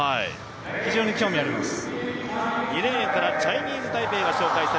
非常に興味あります。